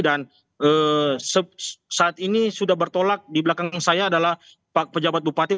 saat ini sudah bertolak di belakang saya adalah pak pejabat bupati